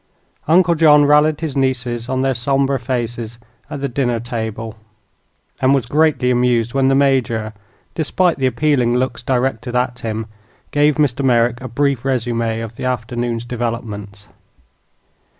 Uncle John rallied his nieces on their somber faces at the dinner table, and was greatly amused when the Major, despite the appealing looks directed at him, gave Mr. Merrick a brief resume of the afternoon's developments.